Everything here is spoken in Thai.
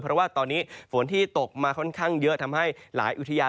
เพราะว่าตอนนี้ฝนที่ตกมาค่อนข้างเยอะทำให้หลายอุทยาน